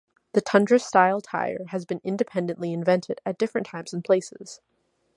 The tundra-style tire has been independently invented at different times and places.